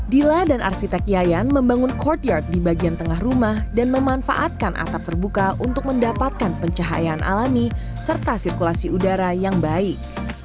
dila dan arsitek yayan membangun courtyard di bagian tengah rumah dan memanfaatkan atap terbuka untuk mendapatkan pencahayaan alami serta sirkulasi udara yang baik